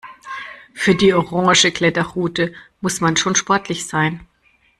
Für die orange Kletterroute muss man schon sportlich sein.